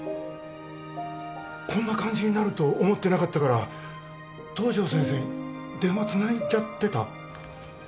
こんな感じになると思ってなかったから東上先生に電話つないじゃってた。